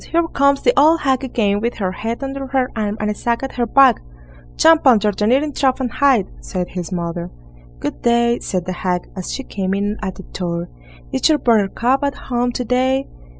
Here comes the old hag again with her head under her arm, and a sack at her back." "Jump under the kneading trough and hide", said his mother. "Good day!" said the hag, as she came in at the door; "is your Buttercup at home to day?"